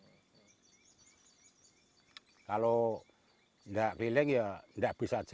ya kalau tidak keliling ya tidak bisa jadi hutannya